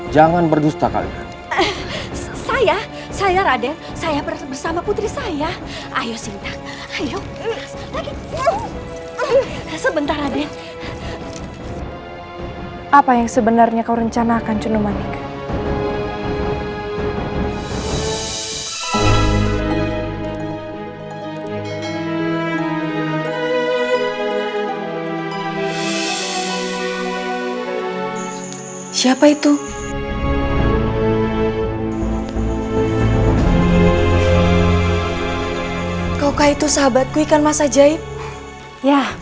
jangan lupa like share dan subscribe ya